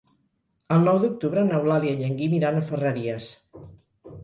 El nou d'octubre n'Eulàlia i en Guim iran a Ferreries.